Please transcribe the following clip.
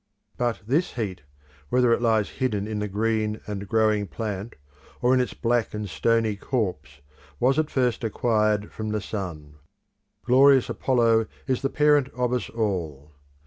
But this heat, whether it lies hidden in the green and growing plant, or in its black and stony corpse, was at first acquired from the sun. Glorious Apollo is the parent of us all.